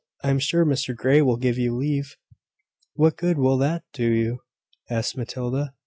I am sure Mr Grey will give you leave." "What good will that do you?" asked Matilda.